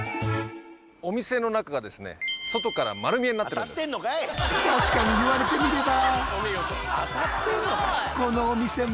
お店の中がですね外から丸見えになってるんです。